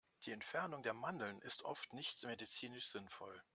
Die Entfernung der Mandeln ist oft nicht medizinisch sinnvoll.